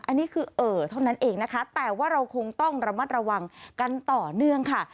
อันนี้คือเอ่อเท่านั้นเองนะคะแต่ว่าเราคงต้องระมัดระวังกันต่อเนื่องค่ะ